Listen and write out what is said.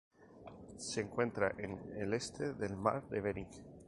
Se encuentra en el este del Mar de Bering.